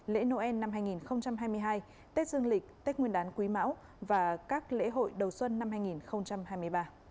lễ noel năm hai nghìn hai mươi hai tết dương lịch tết nguyên đán quý mão và các lễ hội đầu xuân năm hai nghìn hai mươi ba